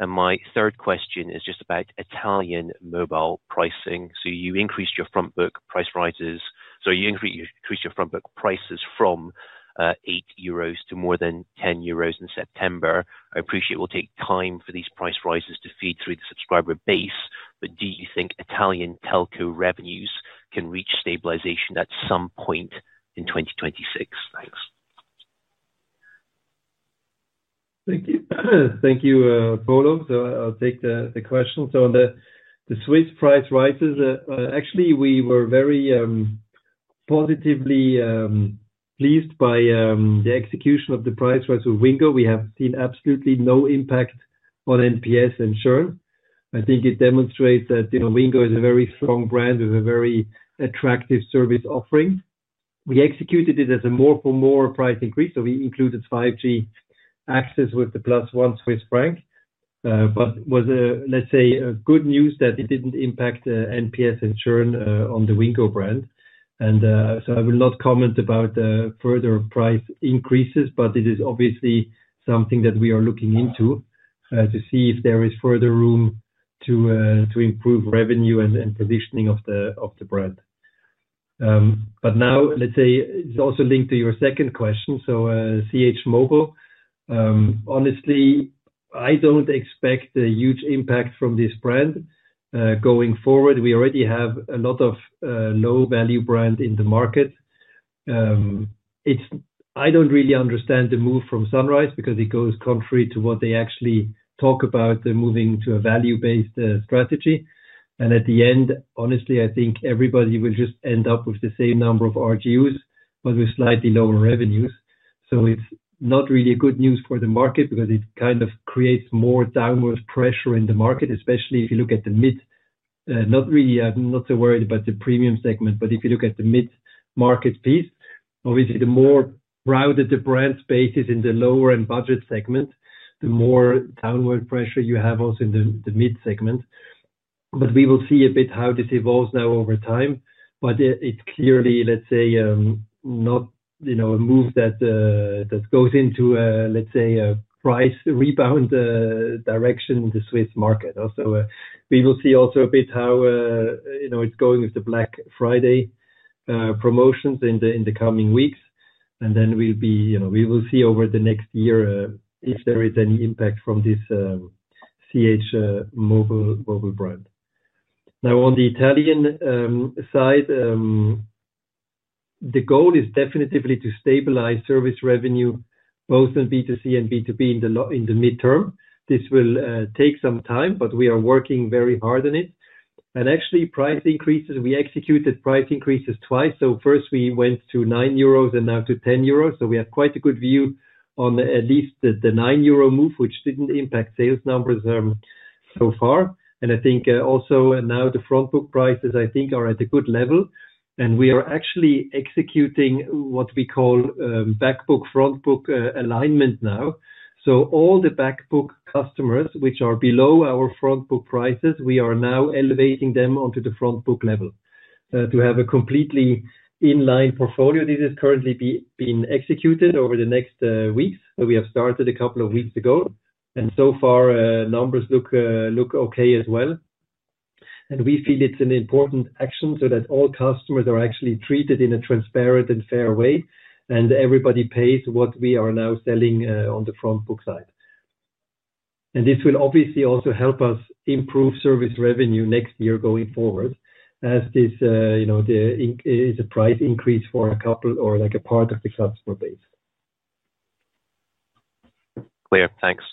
E: My third question is just about Italian mobile pricing. You increased your front book prices from 8 euros to more than 10 euros in September. I appreciate it will take time for these price rises to feed through the subscriber base, but do you think Italian telco revenues can reach stabilization at some point in 2026? Thanks.
C: Thank you, Paulo. I'll take the question. The Swiss price rises, actually, we were very positively pleased by the execution of the price rise with Wingo. We have seen absolutely no impact on NPS and churn. I think it demonstrates that Wingo is a very strong brand with a very attractive service offering. We executed it as a more-for-more price increase. We included 5G access with the +1 Swiss franc. It was good news that it did not impact NPS and churn on the Wingo brand. I will not comment about further price increases, but it is obviously something that we are looking into to see if there is further room to improve revenue and positioning of the brand. Now, it is also linked to your second question. CH Mobile, honestly, I do not expect a huge impact from this brand going forward. We already have a lot of low-value brands in the market. I do not really understand the move from Sunrise because it goes contrary to what they actually talk about, moving to a value-based strategy. At the end, honestly, I think everybody will just end up with the same number of RGUs, but with slightly lower revenues. It is not really good news for the market because it kind of creates more downward pressure in the market, especially if you look at the mid. Not really, I am not so worried about the premium segment, but if you look at the mid-market piece, obviously, the more rounded the brand space is in the lower-end budget segment, the more downward pressure you have also in the mid-segment. We will see a bit how this evolves now over time. It is clearly, let us say, not a move that. Goes into, let's say, a price rebound direction in the Swiss market. We will see also a bit how it's going with the Black Friday promotions in the coming weeks. We will see over the next year if there is any impact from this CH Mobile brand. Now, on the Italian side, the goal is definitely to stabilize service revenue, both in B2C and B2B in the midterm. This will take some time, but we are working very hard on it. Actually, price increases, we executed price increases twice. First, we went to 9 euros and now to 10 euros. We have quite a good view on at least the 9 euro move, which did not impact sales numbers so far. I think also now the front book prices, I think, are at a good level. We are actually executing what we call backbook-front book alignment now. All the backbook customers which are below our front book prices, we are now elevating them onto the front book level to have a completely inline portfolio. This is currently being executed over the next weeks. We started a couple of weeks ago. So far, numbers look okay as well. We feel it is an important action so that all customers are actually treated in a transparent and fair way. Everybody pays what we are now selling on the front book side. This will obviously also help us improve service revenue next year going forward, as this is a price increase for a couple or like a part of the customer base.
E: Clear. Thanks.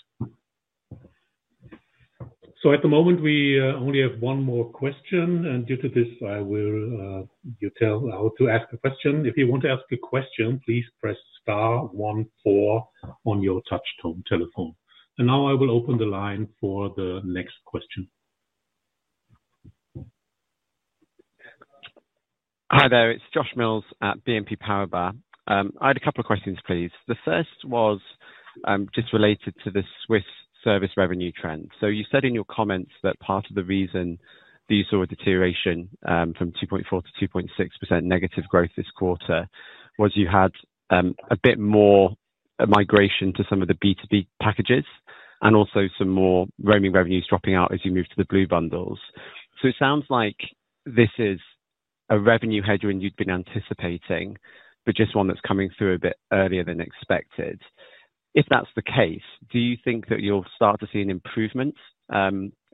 A: At the moment, we only have one more question. Due to this, I will tell how to ask a question. If you want to ask a question, please press star one four on your touchstone telephone. Now I will open the line for the next question.
F: Hi there, it's Josh Mills at BNP Paribas. I had a couple of questions, please. The first was just related to the Swiss service revenue trend. You said in your comments that part of the reason that you saw a deterioration from 2.4%-2.6% negative growth this quarter was you had a bit more migration to some of the B2B packages and also some more roaming revenues dropping out as you move to the blue bundles. It sounds like this is a revenue headwind you've been anticipating, but just one that's coming through a bit earlier than expected. If that's the case, do you think that you'll start to see an improvement.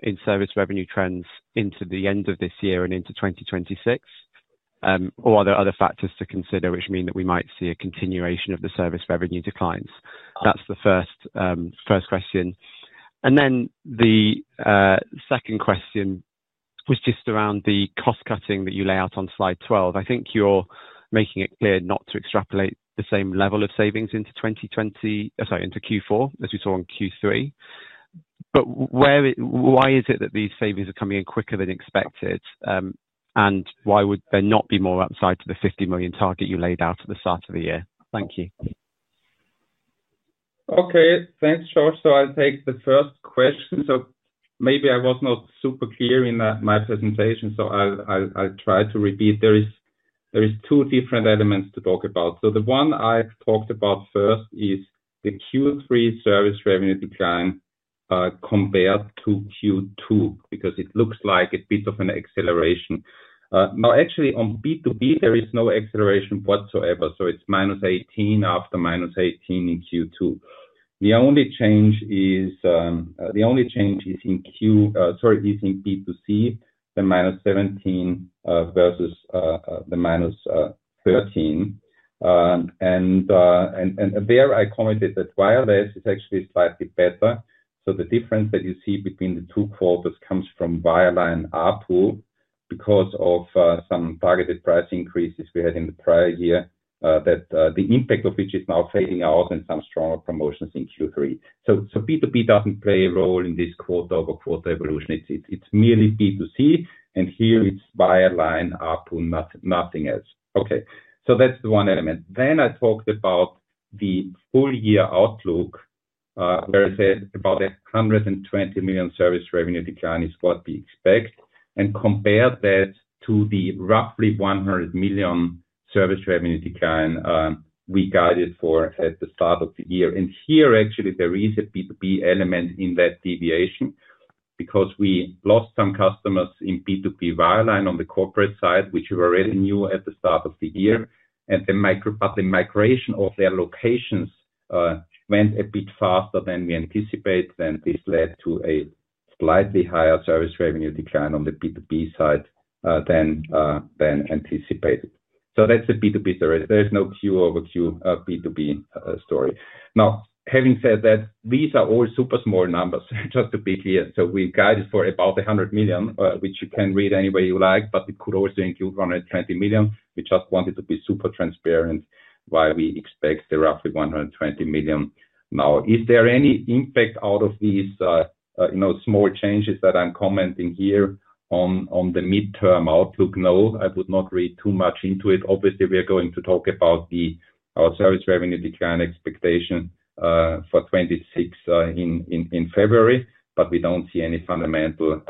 F: In service revenue trends into the end of this year and into 2026? Or are there other factors to consider which mean that we might see a continuation of the service revenue declines? That is the first question. And then the second question was just around the cost cutting that you lay out on slide 12. I think you are making it clear not to extrapolate the same level of savings into 2020, sorry, into Q4, as we saw in Q3. But why is it that these savings are coming in quicker than expected? And why would there not be more outside of the 50 million target you laid out at the start of the year? Thank you.
D: Okay, thanks, Josh. I will take the first question. Maybe I was not super clear in my presentation, so I will try to repeat. There are two different elements to talk about. The one I've talked about first is the Q3 service revenue decline. Compared to Q2, because it looks like a bit of an acceleration. Actually, on B2B, there is no acceleration whatsoever. It's -18 after -8 in Q2. The only change is in B2C, the -17 versus the -13. There I commented that Wireless is actually slightly better. The difference that you see between the two quarters comes from Wireline ARPU because of some targeted price increases we had in the prior year, the impact of which is now fading out, and some stronger promotions in Q3. B2B doesn't play a role in this quarter-over-quarter evolution. It's merely B2C, and here it's Wireline ARPU, nothing else. That's the one element. Then I talked about the full-year outlook. Where I said about a 120 million service revenue decline is what we expect. I compared that to the roughly 100 million service revenue decline we guided for at the start of the year. Here, actually, there is a B2B element in that deviation because we lost some customers in the B2B Wireline on the corporate side, which we already knew at the start of the year. The migration of their locations went a bit faster than we anticipated, and this led to a slightly higher service revenue decline on the B2B side than anticipated. That is the B2B story. There is no quarter-over-quarter B2B story. Having said that, these are all super small numbers, just to be clear. We guided for about 100 million, which you can read anywhere you like, but it could also include 120 million. We just wanted to be super transparent why we expect the roughly 120 million now. Is there any impact out of these small changes that I'm commenting here on the midterm outlook? No, I would not read too much into it. Obviously, we are going to talk about the service revenue decline expectation for 2026 in February, but we do not see any fundamental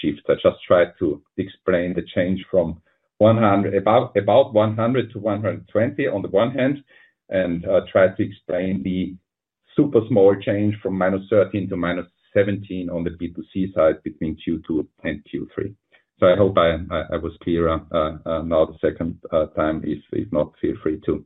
D: shift. I just tried to explain the change from about 100 million-120 million on the one hand and tried to explain the super small change from -13 million to -17 million on the B2C side between Q2 and Q3. I hope I was clearer now the second time. If not, feel free to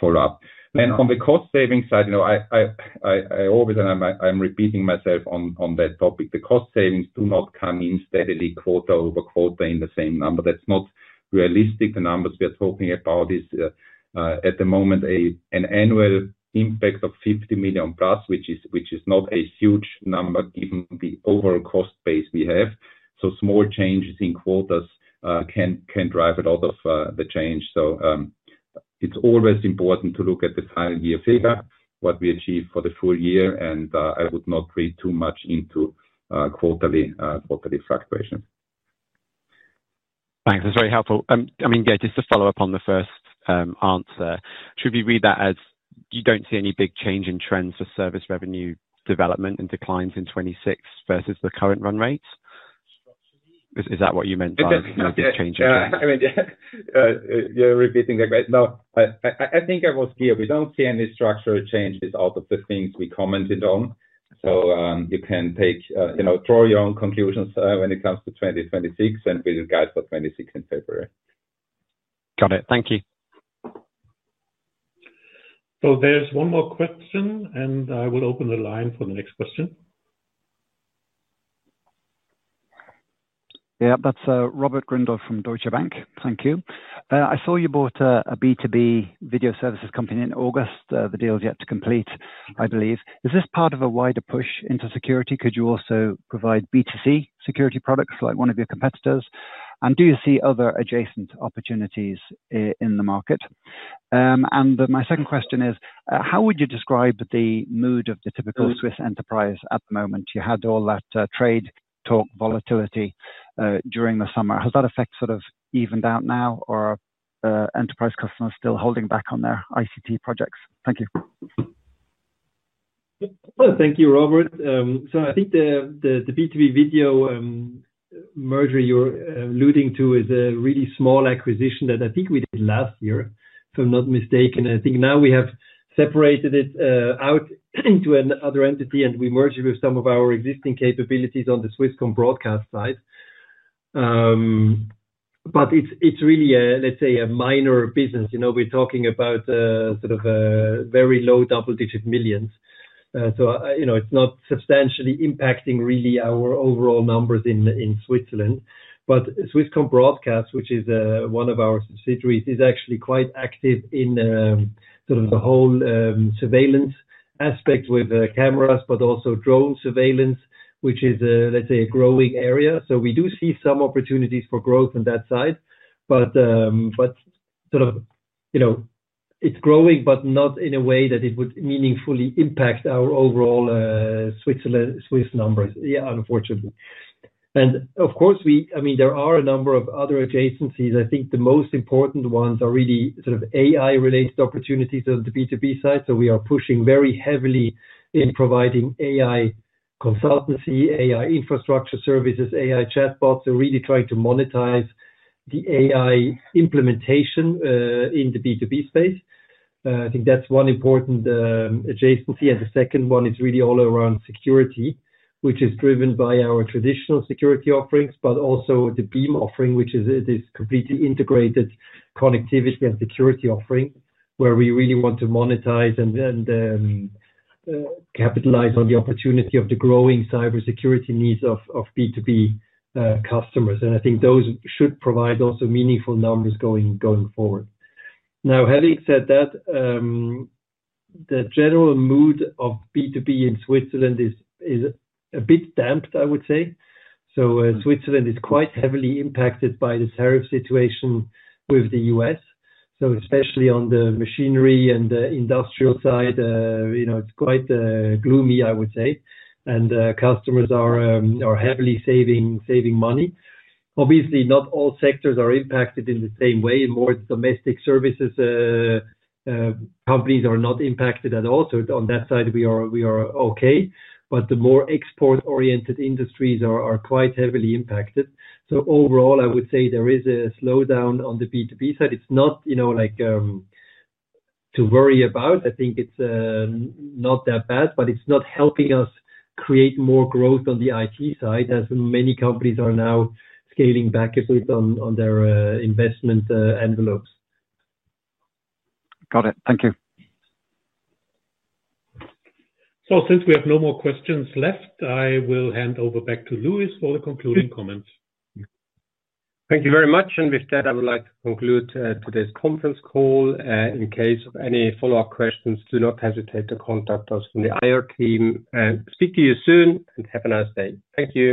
D: follow up. On the cost savings side, I always, and I am repeating myself on that topic, the cost savings do not come in steadily quarter-over- quarter in the same number. That's not realistic. The numbers we are talking about is, at the moment, an annual impact of 50 million+, which is not a huge number given the overall cost base we have. Small changes in quarters can drive a lot of the change. It's always important to look at the final year figure, what we achieve for the full year, and I would not read too much into quarterly fluctuations.
F: Thanks. That's very helpful. I mean, yeah, just to follow up on the first answer, should we read that as you don't see any big change in trends for service revenue development and declines in 2026 versus the current run rates?
D: Is that what you meant by no big change in trends? I mean, you're repeating that. No, I think I was clear. We don't see any structural changes out of the things we commented on. You can draw your own conclusions when it comes to 2026 and with regards to 26 in February.
F: Got it. Thank you.
A: There is one more question, and I will open the line for the next question.
G: Yeah, that is Robert Grindle from Deutsche Bank. Thank you. I saw you bought a B2B video services company in August. The deal is yet to complete, I believe. Is this part of a wider push into security? Could you also provide B2C security products like one of your competitors? Do you see other adjacent opportunities in the market? My second question is, how would you describe the mood of the typical Swiss enterprise at the moment? You had all that trade talk volatility during the summer. Has that effect sort of evened out now, or are enterprise customers still holding back on their ICT projects? Thank you.
C: Thank you, Robert. I think the B2B video merger you're alluding to is a really small acquisition that I think we did last year, if I'm not mistaken. I think now we have separated it out into another entity, and we merged with some of our existing capabilities on the Swisscom Broadcast side. It's really, let's say, a minor business. We're talking about very low double-digit millions. It's not substantially impacting our overall numbers in Switzerland. Swisscom Broadcast, which is one of our subsidiaries, is actually quite active in the whole surveillance aspect with cameras, but also drone surveillance, which is, let's say, a growing area. We do see some opportunities for growth on that side. It's growing, but not in a way that it would meaningfully impact our overall Swiss numbers, unfortunately. Of course, I mean, there are a number of other adjacencies. I think the most important ones are really sort of AI-related opportunities on the B2B side. We are pushing very heavily in providing AI consultancy, AI infrastructure services, AI chatbots, and really trying to monetize the AI implementation in the B2B space. I think that's one important adjacency. The second one is really all around security, which is driven by our traditional security offerings, but also the BEAM offering, which is this completely integrated connectivity and security offering where we really want to monetize and capitalize on the opportunity of the growing cybersecurity needs of B2B customers. I think those should provide also meaningful numbers going forward. Now, having said that, the general mood of B2B in Switzerland is a bit damped, I would say. Switzerland is quite heavily impacted by the tariff situation with the U.S., especially on the machinery and the industrial side. It's quite gloomy, I would say, and customers are heavily saving money. Obviously, not all sectors are impacted in the same way. More domestic services companies are not impacted at all. On that side, we are okay. The more export-oriented industries are quite heavily impacted. Overall, I would say there is a slowdown on the B2B side. It's not like to worry about. I think it's not that bad, but it's not helping us create more growth on the IT side, as many companies are now scaling back a bit on their investment envelopes.
G: Got it. Thank you.
A: Since we have no more questions left, I will hand over back to Louis for the concluding comments.
B: Thank you very much. With that, I would like to conclude today's conference call. In case of any follow-up questions, do not hesitate to contact us from the IR team. Speak to you soon and have a nice day. Thank you.